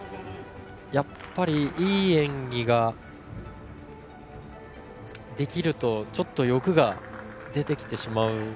やっぱりいい演技ができるとちょっと欲が出てきてしまう。